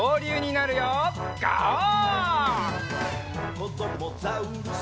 「こどもザウルス